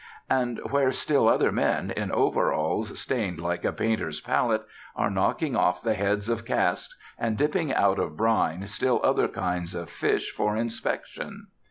And where still other men, in overalls stained like a painter's palette, are knocking off the heads of casks and dipping out of brine still other kinds of fish for inspection.